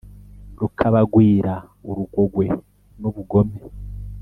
rukabagwira urugogwe nubu gome